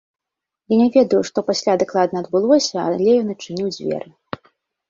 Я не ведаю, што пасля дакладна адбылося, але ён адчыніў дзверы.